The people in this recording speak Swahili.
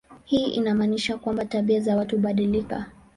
Hii inamaanisha kwamba tabia za watu hubadilika.